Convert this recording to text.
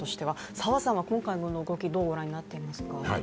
澤さんは今回の動きどうご覧になっていますか。